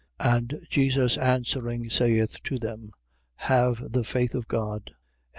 11:22. And Jesus answering, saith to them: Have the faith of God. 11:23.